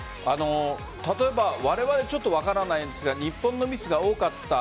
例えば、われわれちょっと分からないですが日本のミスが多かった。